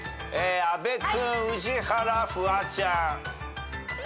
阿部君宇治原フワちゃん。